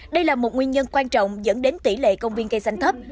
đây là một nguyên nhân quan trọng dẫn đến tỷ lệ công viên cây xanh thấp